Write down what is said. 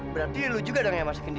berarti lo juga yang masakin dia